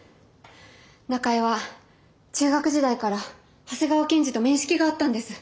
中江は中学時代から長谷川検事と面識があったんです。